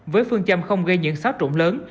với phương châm không gây những xác trụng lớn